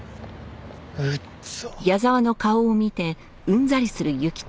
うっざ。